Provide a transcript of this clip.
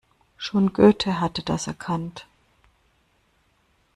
Schon Goethe hatte das erkannt.